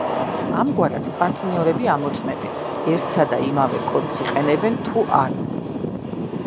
ამგვარად პარტნიორები ამოწმებენ, ერთსა და იმავე კოდს იყენებენ თუ არა.